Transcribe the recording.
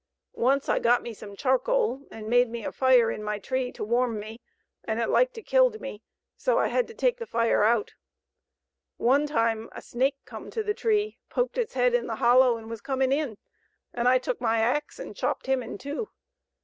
Once I got me some charcoal and made me a fire in my tree to warm me, and it liked to killed me, so I had to take the fire out. One time a snake come to the tree, poked its head in the hollow and was coming in, and I took my axe and chopped him in two.